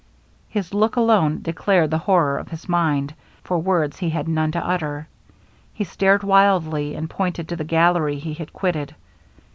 His look alone declared the horror of his mind, for words he had none to utter. He stared wildly, and pointed to the gallery he had quitted.